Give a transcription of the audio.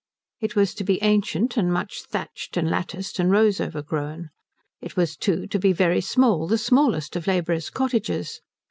It was to be ancient, and much thatched and latticed and rose overgrown. It was, too, to be very small; the smallest of labourers' cottages.